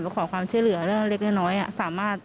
ขอความช่วยเหลือเรื่องเล็กน้อยสามารถ